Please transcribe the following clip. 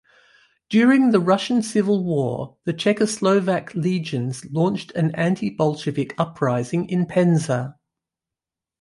During the Russian Civil War, the Czechoslovak Legions launched an anti-Bolshevik uprising in Penza.